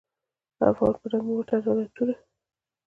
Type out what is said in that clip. د افغان په ننګ مې وتړله توره .